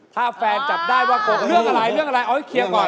ถ้าแฟนจับได้ว่าโกหกเรื่องอะไรเอาให้เคลียร์ก่อน